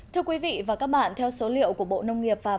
thưa quý vị và các bạn theo số liệu của bộ nông nghiệp và phát triển